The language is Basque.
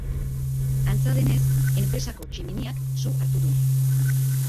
Antza denez, enpresako tximiniak su hartu du.